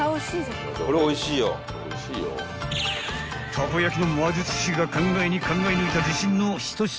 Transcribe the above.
［たこ焼の魔術師が考えに考え抜いた自信の一品］